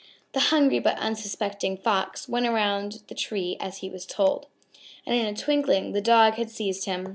The hungry but unsuspecting Fox, went around the tree as he was told, and in a twinkling the Dog had seized him.